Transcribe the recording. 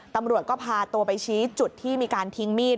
ตำรวจก็พาตัวไปชี้จุดที่มีการทิ้งมีด